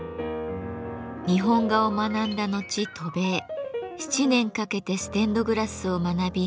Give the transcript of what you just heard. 日本画を学んだ後渡米７年かけてステンドグラスを学び